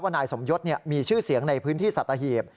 ว่านายสมยศเนี่ยมีชื่อเสียงในพื้นที่สัตว์อาเหียบ